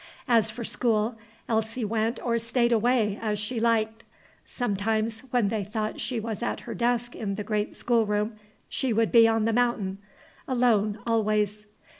As for school, Elsie went or stayed away as she liked. Sometimes, when they thought she was at her desk in the great schoolroom, she would be on The Mountain, alone always.